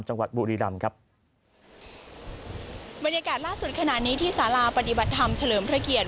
จังหวัดบุรีรำครับบรรยากาศล่าสุดขณะนี้ที่สาราปฏิบัติธรรมเฉลิมพระเกียรติ